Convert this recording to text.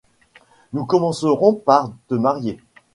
Nous commencerons par te marier…